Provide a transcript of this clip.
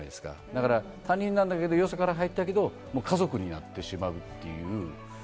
だから他人なんだけれども、よそから入ったけれども家族になってしまうという。